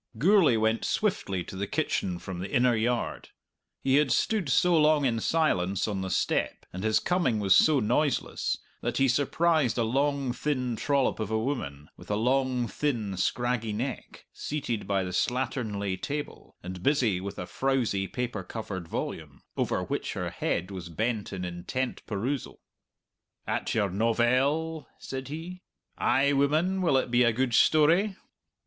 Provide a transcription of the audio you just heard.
Gourlay went swiftly to the kitchen from the inner yard. He had stood so long in silence on the step, and his coming was so noiseless, that he surprised a long, thin trollop of a woman, with a long, thin, scraggy neck, seated by the slatternly table, and busy with a frowsy paper covered volume, over which her head was bent in intent perusal. "At your novelles?" said he. "Ay, woman; will it be a good story?"